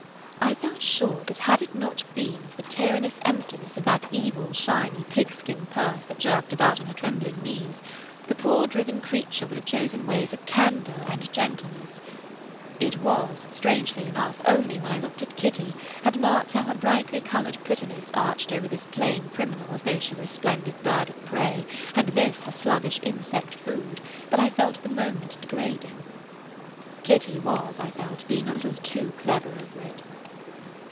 I felt sure that had it not been for the tyrannous emptiness of that evil, shiny pigskin purse that jerked about on her trembling knees the poor driven creature would have chosen ways of candor and gentleness. It was, strangely enough, only when I looked at Kitty and marked how her brightly colored prettiness arched over this plain criminal as though she were a splendid bird of prey [Page 22] and this her sluggish insect food that I felt the moment degrading. Kitty was, I felt, being a little too clever over it.